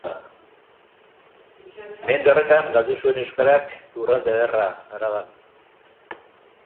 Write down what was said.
Mende horretan galdu zuen euskarak lurralde ederra Araban.